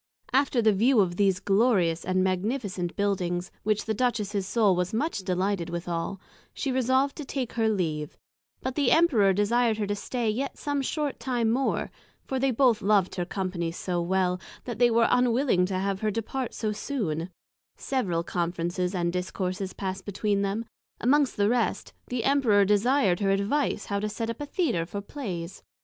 After the view of these Glorious and Magnificent Buildings, which the Duchess's Soul was much delighted withall, she resolved to take her leave; but the Emperor desired her to stay yet some short time more, for they both loved her company so well, that they were unwilling to have her depart so soon: several Conferences and Discourses pass'd between them; amongst the rest, the Emperor desir'd her advice how to set up a Theatre for Plays.